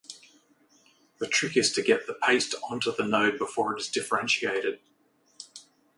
The trick is to get the paste onto the node before it is differentiated.